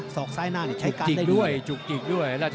สอกซ้ายหน้าใช้การได้ด้วย